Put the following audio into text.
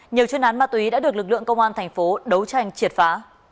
nhiều chuyên án ma túy đã được lực lượng công an thành phố đấu tranh triệt phá